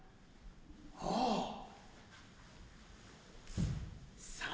ああ。